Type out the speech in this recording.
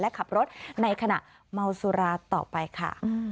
และขับรถในขณะเมาสุราต่อไปค่ะ